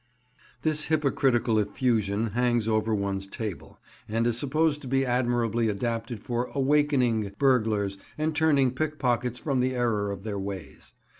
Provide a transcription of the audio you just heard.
This hypocritical effusion hangs over one's table, and is supposed to be admirably adapted for "awakening" burglars, and turning pickpockets from the error of their ways.